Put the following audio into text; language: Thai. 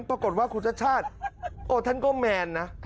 ปรากฏว่าคุณชาติชาติท่านก็แมนนะ